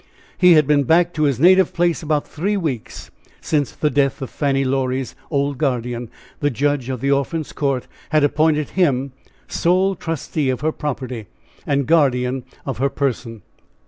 He had been back to his native place about three weeks. Since the death of Fanny Laurie's old guardian, the judge of the Orphans' Court had appointed him sole trustee of her property, and guardian of her person.